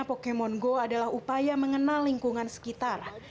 pokemon go adalah upaya mengenal lingkungan sekitar